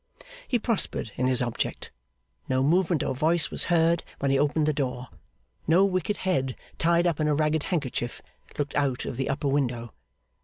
He prospered in his object. No movement or voice was heard when he opened the door; no wicked head tied up in a ragged handkerchief looked out of the upper window.